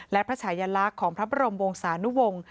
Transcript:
และพระชายลักษณ์ของพระบรมวงศานุวงศ์